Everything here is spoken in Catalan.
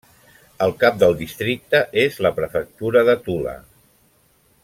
El cap del districte és la prefectura de Tula.